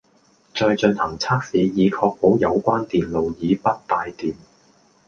再進行測試以確保有關電路已不帶電